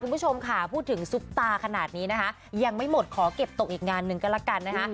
คุณผู้ชมค่ะพูดถึงซุปตาขนาดนี้นะคะยังไม่หมดขอเก็บตกอีกงานหนึ่งก็แล้วกันนะคะ